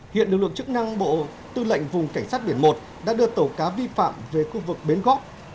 hiện lực lượng chức năng bộ tư lệnh vùng cảnh sát biển một đã đưa tàu cá vi phạm về khu vực bến gót